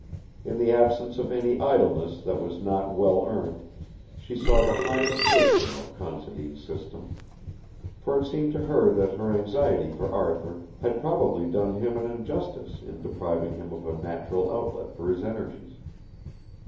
In the absence of any idleness that was not well earned she saw the highest wisdom of Considine's system; for it seemed to her that her anxiety for Arthur had probably done him an injustice in depriving him of a natural outlet for his energies.